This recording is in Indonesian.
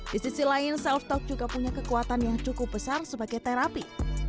di sisi lain self talk juga punya kekuatan yang cukup besar sebagai terapi